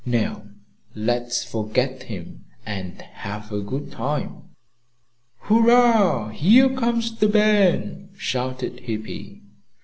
"Now let's forget him and have a good time." "Hurrah! Here comes the band!" shouted Hippy.